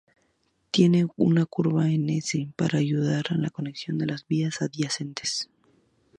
Tiene una curva en S para ayudar en la conexión a las vías adyacentes.